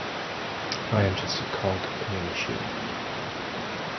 i am just a cog in the machine